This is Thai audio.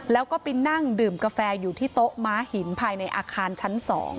แล้วก็ไปนั่งดื่มกาแฟอยู่ที่โต๊ะม้าหินภายในอาคารชั้น๒